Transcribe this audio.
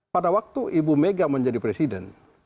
pada waktu ibu mega menjadi presiden